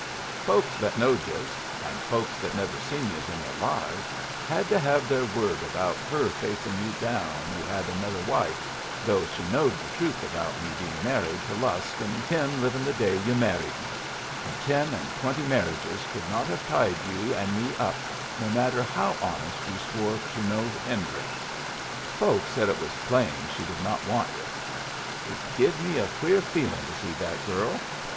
Folks that knowed yus and folks that never seen yus in their lives had to have their word about her facing you down you had another wife, though she knowed the truth about me being married to Lusk and him livin' the day you married me, and ten and twenty marriages could not have tied you and me up, no matter how honest you swore to no hinderance. Folks said it was plain she did not want yus. It give me a queer feelin' to see that girl.